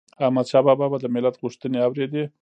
احمدشاه بابا به د ملت غوښتنې اوريدي